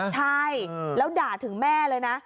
ใช่แล้วด่าถึงแม่เลยนะ